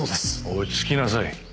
落ち着きなさい。